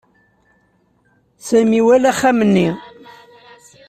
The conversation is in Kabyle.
Sami iwala axxam-nni.